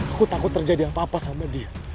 aku takut terjadi apa apa sama dia